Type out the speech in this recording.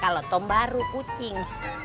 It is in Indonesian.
kalau tom baru kucing